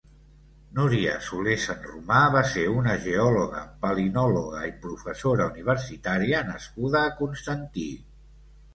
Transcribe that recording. Núria Solé Sanromà va ser una geòloga, palinòloga i professora universitària nascuda a Constantí.